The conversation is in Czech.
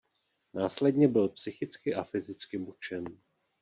Následně byl psychicky a fyzicky mučen.